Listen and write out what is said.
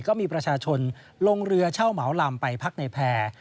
ก็มีประชาชนลงเรือเช่าเหมาลำไปพักในแพร่